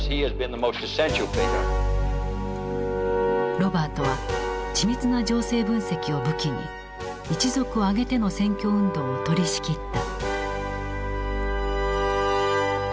ロバートは緻密な情勢分析を武器に一族を挙げての選挙運動を取りしきった。